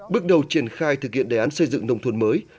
bước đầu triển khai thực hiện đề án xây dựng nông thôn mới